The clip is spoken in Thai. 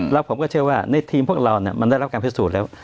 แล้วผมก็เชื่อว่าในทีมพวกเรามันได้รับการพิสูจน์แล้ว